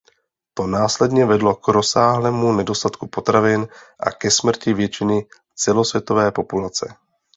To následně vedlo k rozsáhlému nedostatku potravin a ke smrti většiny celosvětové populace.